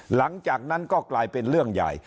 หลังจากนั้นก็กลายเป็นเรื่องใหญ่